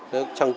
trong trường hợp